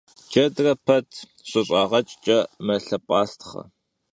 Cedre pet şıf'ağejjç'e melhep'astxhe.